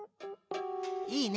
いいね。